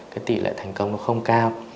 cái tỷ lệ thành công nó không cao